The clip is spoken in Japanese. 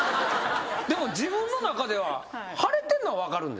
でも自分の中では腫れてるのは分かるんですか？